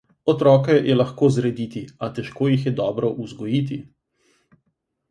Otroke je lahko zrediti, a težko jih je dobro vzgojiti.